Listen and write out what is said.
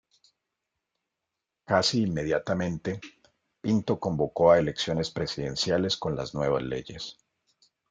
Casi inmediatamente, Pinto convocó a elecciones presidenciales con las nuevas leyes.